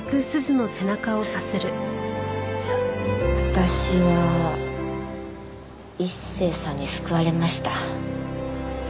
私は一星さんに救われました。